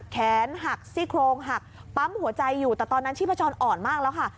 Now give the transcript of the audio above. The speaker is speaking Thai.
แขนหักซี่โครงหักปั๊มหัวใจอยู่แต่ตอนนั้นชีพจรอ่อนมากแล้วค่ะ